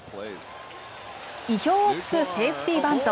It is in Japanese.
意表を突くセーフティーバント。